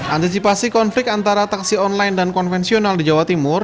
antisipasi konflik antara taksi online dan konvensional di jawa timur